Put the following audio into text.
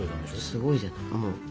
すごいじゃない。